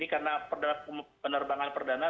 ini karena penerbangan perdana